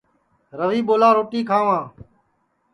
روی ٻولا روٹی کھاواں